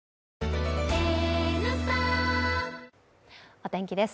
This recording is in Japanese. お天気です。